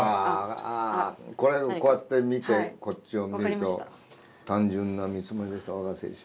ああこれをこうやって見てこっちを見ると「単純な蜜豆でしたわが青春」。